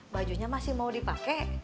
bajunya masih mau dipake